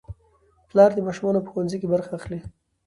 پلار د ماشومانو په ښوونځي کې برخه اخلي